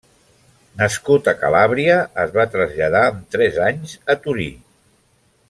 Nascut a Calàbria, es va traslladar amb tres anys a Torí.